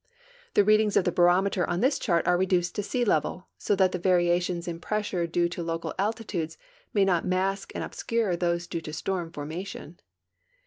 The readings of the barometer on this chart are reduced to sea level, so that the variations in pressure due to local altitudes may not mask and obscure those due to storm formation.